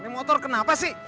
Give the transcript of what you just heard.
ini motor kenapa sih